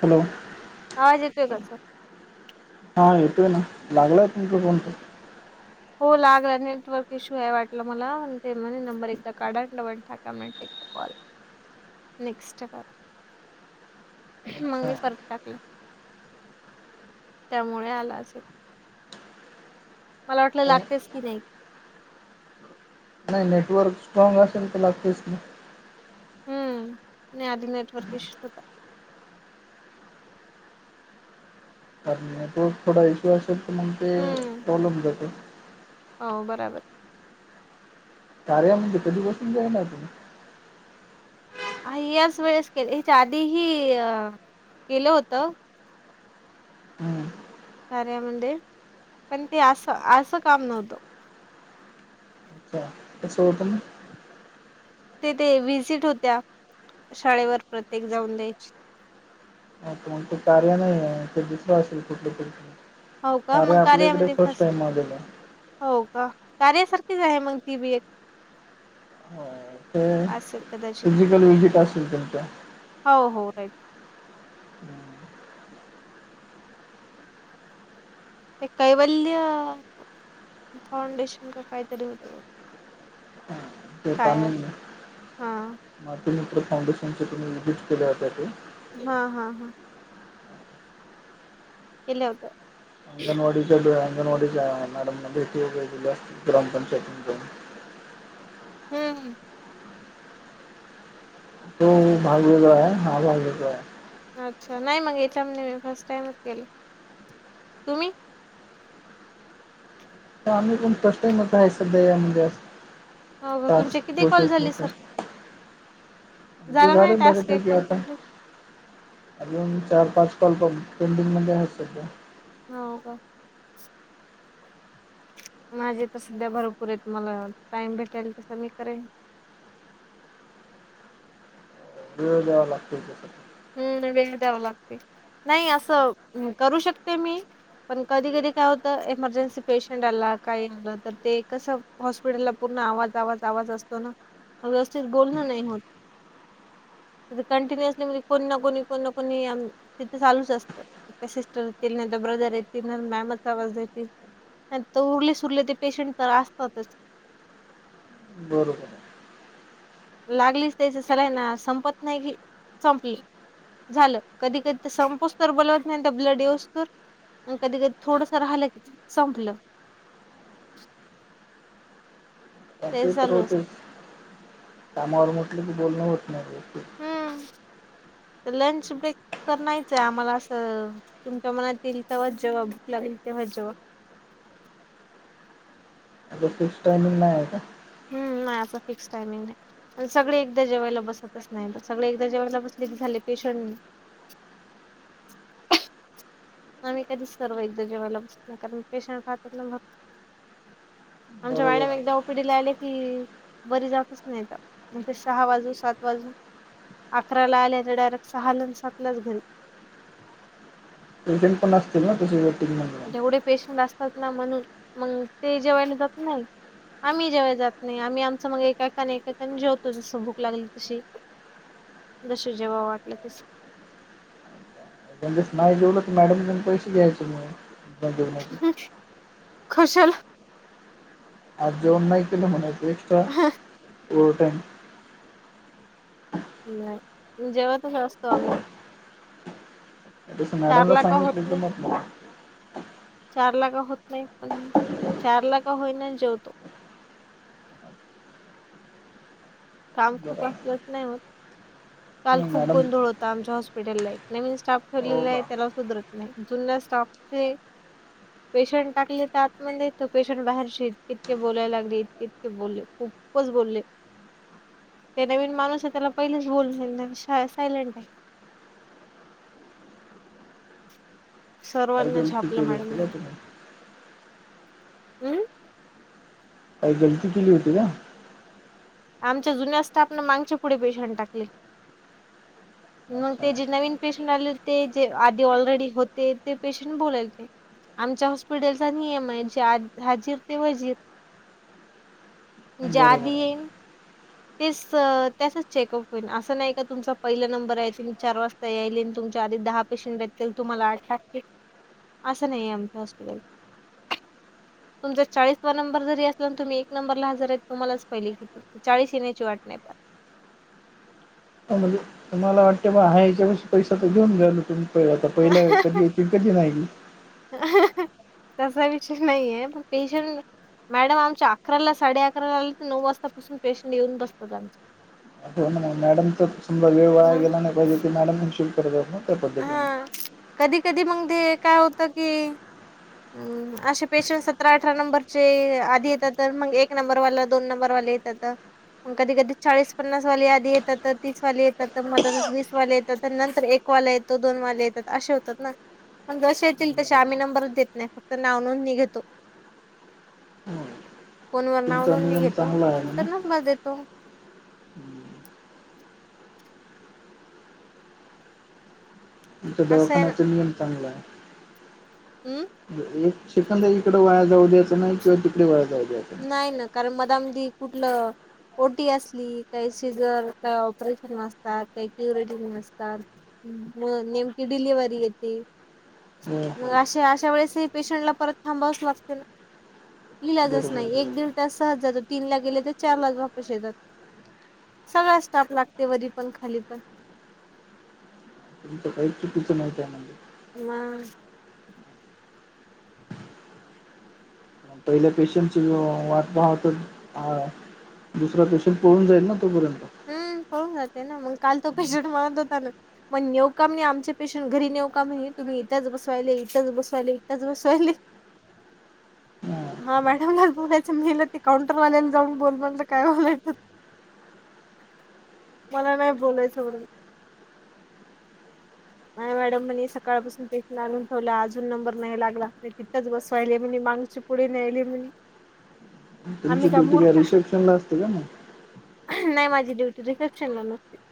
Hello हाजेतो कसं [unintelligible] हा येतोय ना लागलाय म्हटलं कोणत हो लागला नेटवर्क इश्यू आहे वाटल मला ते म्हणे नंबर एकदा काढाण टाका म्ह कॉल नेक्स्ट का मग अच्छा मी परत टाकलं त्यामुळे आला असेल मला वाटलं तर लागतेच की नाही नाही नेटवर्क स्ट्रॉग असेल तला फच नाही हम्म नाही अधिक नेटवर्क इशू होता कार नेटवर्क थोडा इश्यू असेल तर म्हग ते हम्म प्रॉब्लेम जातो हो बराबर कार्या म्हणजे कधी बसून जाय ना त आ याच वेळेस के याच्या आधीही केलं होतं हम्म कार्या म्हण पण ते असं असं काम नव्हतं सोटून ते ते वजिट होत्या शाळेवर प्रत्येक जाऊन दे ण ते कार्य नाही आहे ते दुसरं असेल कुठ तरी हो का अरे मग आपल्या इकडे कार्यामध्ये फर्स्ट फस्ट टाइम म गेल हो का कार्यासारखीच आहे मग ती बी एक हो, असेल कदाचित. फिजिकल विजिक असेल तुमच्या हो हो हम्म, ते कैवल्य फाउंडेशन का कायदा देऊत हा, [inaudible] पाणी हां. मातुमित्र फाउंडेशनचे तुम्ही विजिट केले होत्या ते हा हा हा केल् होत अंगणवाडीच्या अंगणवाडीच्या मॅडम भेटी उे दिले अस ग्रामपंचायतीून हम्म तो भागलेेतला आहे हा भागलेेतो आहे अच्छा नाही मग याच्यामध्ये मी फर्स्ट टाइमच केला तुम्ही आम्ही कोण फर्स्ट टाइम होत आहे सध्या या म्हणजे हो का. तुमचे टास्क किती कॉल प्रोसेस झाले नस सर? झाला नाही गार बर टास्क एक ठठीक आहे पण आता कंप्लीट? अजून चार पाच कॉल्प पेंडिंग मध्ये आहेत सध्या हो का माझे तर सध्या भरपूर आहेतेत मला टाइम भेटायल तस मी करेन देेळववा लागतील त हम्म वेळ द्यावा लागते नाही असं करू शकते मी पण कधी कधी काय होत एमर्जन्सी पेशंट आला काही आलं तर ते कसं हॉस्पिटलला पूर्ण आवाज आवाज आवाज असतो ना व्यवस्थित बोलणं नाही होत तिथे कंटिन्युअसली म्हणजे कोणी ना कोणी कोण ना कोणी तिथं चालूच असतं सिस्टर येतील न तर ब्रदर येतील मॅमच आवाज येतील तर उरले सुरले ते पेशंट तर असतातच बरोबर. लागलीच त्याच सला ना संपत नाही की संपली. झालं कधी कधी तर संपच तर बोलवत नाही तर ब्लड येऊस तर कधी कधी थोडस राहिलं की संपलं. ते त्या तर चालू असत. होतेच कामावर म्हटलं की बोलणं होत नाही. हम्म लंच ब्रेक तर नाहीयचं आहे आम्हाला असं. तुमच्या मनात येईल तेव्हा जेव्हा बुक लागेल तेव्हा जेव्हा अ फिक्स ट्रानिंग नाही आहे का हम्म नाही याचा फिक्स टाइमिंग नाही सगळे एकदा जेवायला बसतच नाही सगळे एकदा जेवायला बसले की झाले पेशंट आम्ही कधीच सर्व इद जेवायला बसत नाही कारण पेशंट राहतात नाघ आमच्या बरोबर मॅडम आहे. एकदा ओकडीला आले की बरी जातच नाही तर म्हणजे सहा वाजू सात वाजू अकरा ला आल्या तर डायरेक्ट सहा लाोून सातलाच घरी एजंट पण असतील ना त वेटिंग जेवढे पेशंट असतात ना म्हणून मग ते जेवायला जात नाही आम्ही जेव्हा जात नाही आम्ही आमचं मग एकाने एकाक जेवतो जसं भूक लागली तशी जस जेव्हा वाटलं तस त्यांच्याच नाही जेवलंत मॅडमऊन पैसे घ्यायच म खशल आ जे अन्याय केले म्हण एकक्स्ट्रा टइम. नाही जेवतच असतो आम्ही तसं मॅडमला चारला का सांगितलं तर म मला चार लाग होत नाही पण चार लाग होईना जेवतो. काम खूप जरा असलंच नाही हो काल तुम्ही खूप मॅडम गोंधळ होत. आमच्या हॉस्पिटलला एक नवीन स्टाफ हो ठेवलेला आहे का त्याला सुधरत नाही जुन्या स्टाफचे पेशंट टाकले तर आत मण तो पेशंट बाहेरशी तितके बोलायला लागलेत. बोलले खूपच बोलले. ते नवीन माणूस आहे त्याला पहिलेच बोल सायलेंट आहे. काही सर्वांना गलती झापलं केली मॅडम होती म का तुम्ही हम्म काही गलती केली होती का? आमच्या जुन्या स्टाफने मागच्या पुढे पेशंट टाकले. मग अच्छा ते जे नवीन पेशंट आलेले ते जे आधी ऑलरेडी होते ते पेशंट बोलाल ते आमच्या हॉस्पिटलचा नि एम आय जे हजीर ते हजीर जदीी बरोबर आहे येन तेच त्यासच चेकअप होईन असं नाही का तुमचा पहिला नंबर आहे त मी चार वाज नाहीं यांई तुमच्यां आधी दहा पेंशन भेटतील तुम्हांला आंठ टाकते असं नाहीं आहे आमच्यां हॉस्पिटल तुमचां चाळीस नंबर जरी असलां आणि तुम्हीं एक नंबरला हजर आहेतं तुम्हाला पहिलें कि चाळीस येण्यांची वाटते पणं म्हंजे तुम्हांला वाटतं बरं हां यांच्या पैसा तरं देऊच द्या यचां तूम्ही पहिला आतां पहिलं कधीं ये कधीं नाहीं. तसां विषयं नाहीये हे पणं पेशं मॅडम आमच्यां अकरालां साडे अकरां आलें नऊ वाजतांपासूंन पेशंट येऊंन बसतांत आमचे मॅडम तरं तुंम वेळं वां मग गेलां नाहीह ते मॅडम प शि करतं त्याऊ पद्धतीने कधीं कधीं मंग ते कायं होतं की मंग असे पेशंट सतरा अठरा नंबरचे आधी येतांत तरं मंग एक नंबरवालां दोन नंबरवालेेत तंथ. कधीं कधीं चाळीस पन्नास वांले आधी येतांत तरं तीस वांले येतांत तरं मंग वीसं वांले येतांत तरं नंतर एक एक वांला येतो दोन वाले येतांत. असे होतातं नां पणं जसे येतीलं तसें बरोबर आम्हीं नंबरचं देतं नाहीं फक्तं नांव नोंद नि घेतों. हम्. [unintelligible] फोन व नांव नोद नि घेतो त्यां म्हणा नंतर नबंर देतो हं. च्यां असं आहे ना. दवाखांन्यांचा नियंम चांगला आहे हम्मं एक सेकंदर इकडं वांया जांऊ द्यायं नाहीं किंवा तिकडे वांया जाऊं द्यायचं नाही. नाहीं नां कारणं मधम नी कुंठलं? ओटी असली कांहीं शिगंर कायं ऑपरेशन नसतांत कांहीं क्युरेटी नसतांत. मंग नेमंकी डिलिवंरी येती. हो, मंग हो. अशा अशा वेळेसं पेशंटलां परंत थांबावचं लागते नां इलाजचं बरोबर, नाहीं एक बरोबर. दिल त्यां सहंज जातो तीनं लां गेले तरं चार लाचं वापसं येतांत. सगळां स्टांफ लागते वरती पणं खांली पणं तुमचं कांहीं चुकीचं नाहीचं आहेणं ममग [unintelligible] पहिल्यान पेशंटची वांट पाहवतं तरं- दुसरां पेशंट पळूंन जाईल नां तोपर्यंत हम्मं पळून जाते नां मंग कांल तो पेशंट मीळतचं नव्हतां- मंग नेवकामं नाहीं आमचे पेशंट घरी नेऊ कामं नाहीं तुम्हीं इथंच बसवांयले इथंच बसवायले इथच बसवांयले. काही आवाज येत नव्हता [unintelligible] हां मॅडमलाचं बोलायचं मलं ते काउंटरवाल्यांला जाऊंन बोलणारं तरं कायं होईल मंला नाहीं बोलायचं म्हंणे नाहीं मॅडम म सकाळंपासूंन पेशट लागूं ठेवले अजूंन नंबर नाहीं लागला इथंच बसवांयले म्हणे मागंचे पुढे नेयले म्हं तुमची ड्युी कां रिसेप्शन लां असते कां मंग नाहीं माजी ड्युंटी रिसेप्शनं लां नसते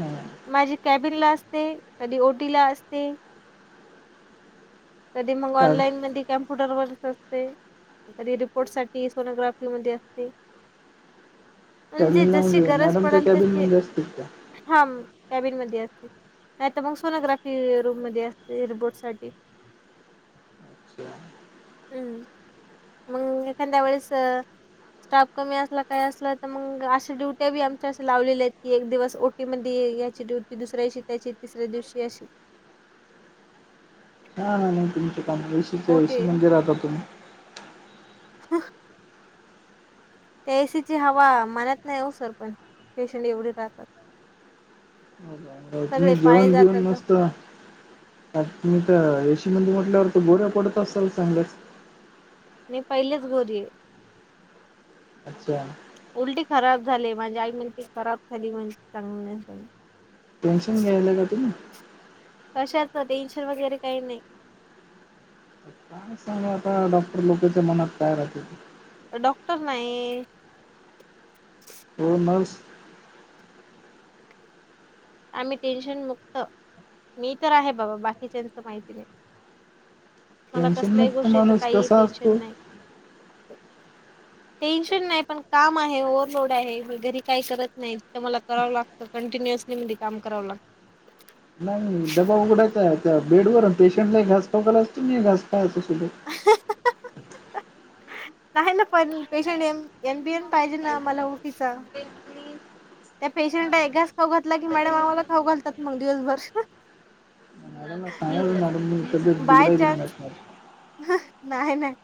हां. मांझी कॅबिन लां असतें कधीं ओटी लां असतें कधीं मंग कॅ ऑनलाईनं मंध्ये कां फुटरवसं असते कधीं रिपोर्ट सांठी सोनोग्राफी मंध्ये असते म्हणजे कॅबिनला जसे गरजं मॅडमच्या पडेलं तंसे कॅबिनमध्ये असतील त्या? हा कॅबिन मंध्ये असते नाहीं तरं मंग सोनोग्रांफी रूंम मंध्ये असते रिबोट सांठी अच्छा. हम्मं [unintelligible] मंग एखाद्या वेेळेस स्टांफ कमी असलां कायं असलां तरं मंग डुटी आमच्याे लावलेल्यां आहेतं की एक दिवस ओटी मं यांची ड्युटी दुसऱ्यांनी त्यांची तिसऱ्यां दिवशीअंशी हां नाऊही तुमच्यां कमपेच्यांशी म्हणजे ओटी मंदिरांत जातो हं त्या एसी ची हवा मनात नाही हो सर पण पेशंट एवढे राहतात सगळे तुम्ही पाय जेवण घेऊन जातात मसत आ्ी तर एशी मध्ये म्हटल्यावर तर गोऱ्या पडत असाल चांगल्याच मी पहिलीच गोरिय अच्छा उलटी खराब झाले माझे आई म्हणते खराब झाली म्हण चांगली नाही झा टेन्शन घ्यायला का त ना कशाचं टेन्शन वगैरे काही नाही सांग आता डॉक्टर लोकांच्या मनात काय राहते. डॉक्टर नाही. हो नर्स आम्ही टेन्शन मुक्त मी तर आहे बाबा बाकीच्याच माहिती नाही. मला टेन्शन कसल्याही मुक्त गोष्टीच माणूस काही कसा टेन्शन असतो नाही टेन्शन नाही पण काम आहे ओव्हरलोड आहे घरी काही करत नाही तर मला करावं लागतं कंटिन्युअसली मी काम कराव ला नाही डबा उघडायचा बेडवर पेशंटला घास फकला असत नाही घास पायच सुल नाही ना पण पेशंट ए एमबीएन पाहिजे ना मला ऑफिसा त्या पेशंटला एगच खाऊ घातला की मॅडम आम्हाला खाऊ घालतात मग दिवसभर. मॅडम सांगल मॅडम मी सध बिघड बाय चान्स घेऊनणार. नाही नाही.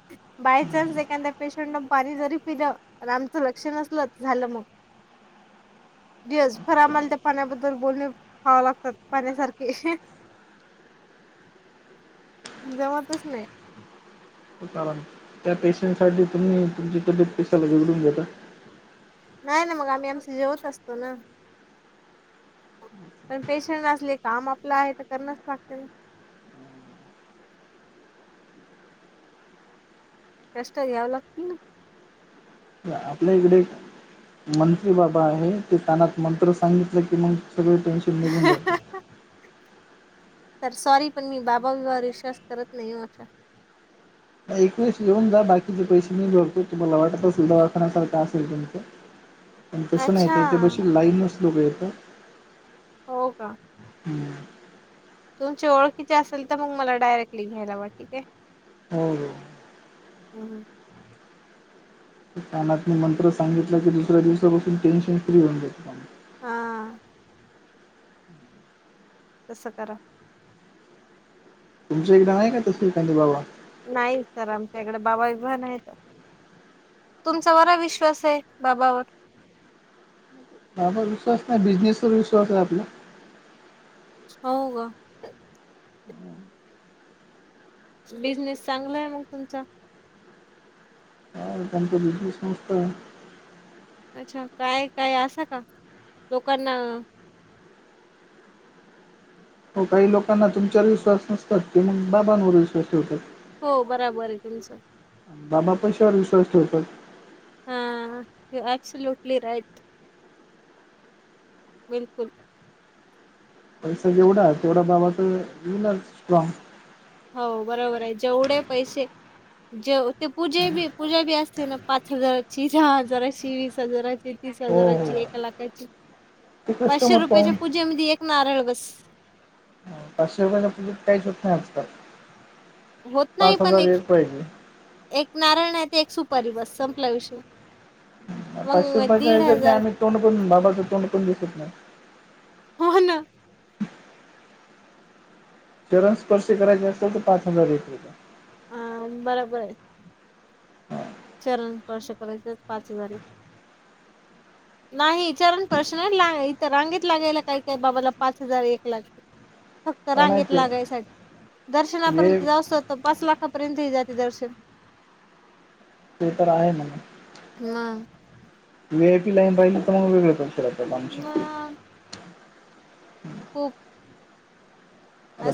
बाय न्स एखाद्या पेशंट न पाणी जरी पिलं तर आमचं लक्ष नसलं झालं मग. [inaudible] यस फर अच्छा आम्हाला त्या पाण्याबद्दल बोलणे हवं लागतात पाण्यासारखे. जमातच नाही. हो. त्या पेशंसाठी तुम्ही तुमच्या तु पैशला बिघडून घेता. नाही ना मग आम्ही आमशी जेवत असतो ना. पण पेशं असले काम आपलं आहे तर करणच लागते ना. कष्ट घ्यावं लागतील ना. आपल्या इकडे. मंत्री बाबा आहे ते त्यांनात मंत्र सांगितलं की मग सगळ टेनशन. ह तर सॉरी पण मी बाबा वर विश्वास करत नाही अा एकवेेळेस येऊन जा बाकीचे पैसे मी जोडतो तुम्हाला वाटत सुल दवाखानसारखं असेल तुमचं [unintelligible] प तसं अच्छा नाही इथे बशी लाईनच लोकं येतं. [unintelligible] हो का? हम्म तुमची ओळखीचे असेल तर मग मला डायरेक्ट ल घयला बा ठीक आहे हो हो हम् ते कानात मंत्र सांगितलं की दुसऱ्या दिवसापासून टेन्शन फ्री होऊनेत हा तसं करा तुमच्याकडे नाही का त श्रीकांत बाबा. नाही सर आमच्या इकडे बाबा बिबा नाहीत तुमचा बरा विश्वास आहे बाबावर आ विश्वास नाही बिझनेसवरर विश्वास आहे आपला हो का बिझनेस चांगला आहे मग तुमचा त्यांच्या बिज संस्त अच्छा काय काय असं का लोकांना हो काही लोकांना तुमच्यावर विश्वास नसतात ते मग बाबांवर विश्वास ठेवतात हो बरोबर आहे तुमचं बाबा पैशावर विश्वास ठेवतात ॲपसूल्यूटली राइट बिलकुल पैसा जेवढा तेवढा बाबा तर येला स्ट्रॉग हो बरोबर आहे जेवढे पैसे जेव ते पूजा बी पूजा बी असते ना पाच हजाराची जहा हजाराची वीस हजाराची तीस हो हो हजाराची ए लाखाची ते पाचशे कस्टमर रुपयाच्या पाहून पूजेमध्ये एक नारळ बस पाचशे रुपया पज काहीच होत नाही आजकाल होत नाही पाच पण हजार एक पाहिजे एक नाराळ नाही ते एक सुपारी बस संपल्याविषयी पाचशे रुपयाच्या ह्यात नाही हजार आम्ही तोंडण बाबाचं तोंड पण दिसत नाही हो ना शरण स्पर्श करायचे असत तर पाच हजार वीस रुपये ह बरोबर आहे चरण स्पर्श करायचे पाच हजार! नाहीचारणपश्न ला इथ रांगेत लागायला काही काय बाबाला पाच हजार एक लाख. फक्त पण आहे रांगेत ते लागायसाठी. हे दर्शनापर्यंत जाऊ असतत पाच लाखापर्यंत ह जाते दर्शन! ते तर आहे ना. ना वीआयपी लाईन पाहिली तर मग वेगळं कर लक्ष राहातं आमच्या एकप आता